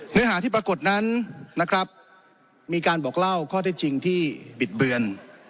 เนื้อหาที่ปรากฏนั้นนะครับมีการบอกเล่าข้อเท็จจริงที่บิดเบือน